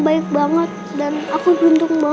baik banget dan aku buntung